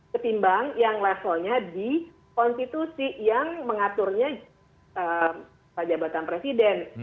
ketimbang yang levelnya di konstitusi yang mengaturnya jabatan presiden